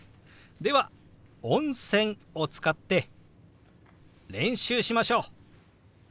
では「温泉」を使って練習しましょう。